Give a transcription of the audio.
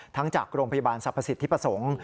ทั้งจากโรงพยาบาลสรรพสิทธิปสงฆ์